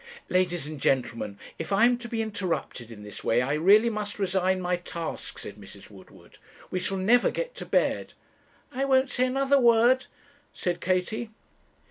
'Ladies and gentlemen, if I am to be interrupted in this way, I really must resign my task,' said Mrs. Woodward; 'we shall never get to bed.' 'I won't say another word,' said Katie.